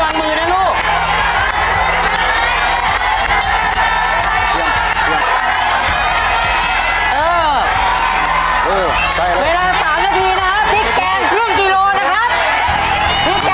แกงพรุ่งกิโลนะครับพรุ่งแกงเฟ็ดพรุ่งกิโลนะฮะ